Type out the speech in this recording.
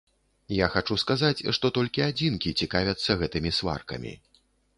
Я хачу сказаць, што толькі адзінкі цікавяцца гэтымі сваркамі.